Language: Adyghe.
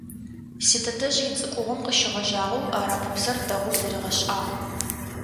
Ситэтэжъ ицӏыкӏугъом къыщегъэжьагъэу арапыбзэр дэгъоу зэригъэшӏагъ.